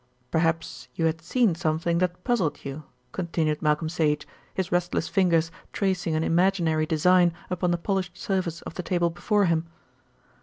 "Perhaps you had seen something that puzzled you," continued Malcolm Sage, his restless fingers tracing an imaginary design upon the polished surface of the table before him.